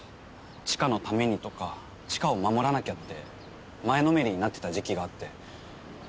知花のためにとか知花を守らなきゃって前のめりになってた時期があって。